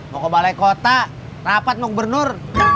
mau ke balai kota rapat mau ke bernur